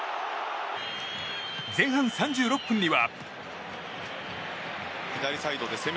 前半３６分には。